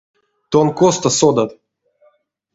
Тон косто содат?